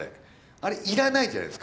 あれ要らないじゃないですか。